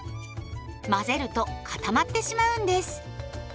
混ぜると固まってしまうんです。